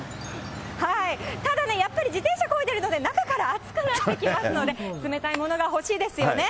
ただね、やっぱり自転車こいでるので、中から暑くなってきますので、冷たいものが欲しいですよね。